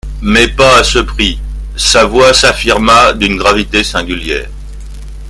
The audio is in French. Mais pas à ce prix.» Sa voix s'affirma, d'une gravité singulière.